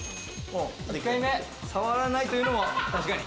触らないというのも確かに。